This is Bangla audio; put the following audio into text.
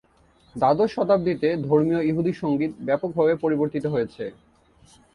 দ্বাদশ শতাব্দীতে ধর্মীয় ইহুদি সংগীত ব্যাপকভাবে পরিবর্তিত হয়েছে।